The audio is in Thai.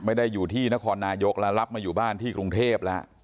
ไม่ได้อยู่ที่นครนายกแล้วรับมาอยู่บ้านที่กรุงเทพแล้ว